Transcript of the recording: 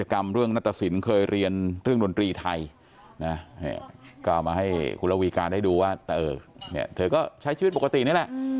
แล้ววีการได้ดูว่าเธอก็ใช้ชีวิตปกตินี่แหละ